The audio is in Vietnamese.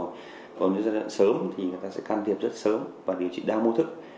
u phổi ở giai đoạn sớm thì người ta sẽ can thiệp rất sớm và điều trị đa mô thức